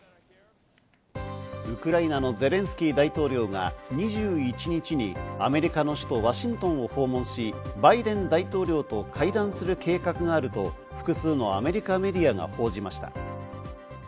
ウクライナのゼレンスキー大統領が２１日にアメリカの首都ワシントンを訪問し、バイデン大統領と会談する計画があると複数のアメリカメディアが報じました。